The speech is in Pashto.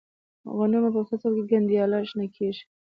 د غنمو په فصل کې گنډیاله شنه کیږي.